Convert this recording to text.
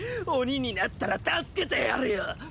鬼になったら助けてやるよ！